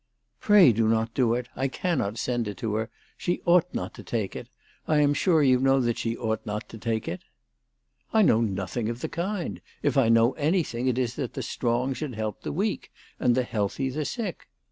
Pray do not do it. I cannot send it her. She ought not to take it. I am sure you know that she ought not to take it." " I know nothing of the kind. If I know anything, it is that the strong should help the weak, and the healthy the sick.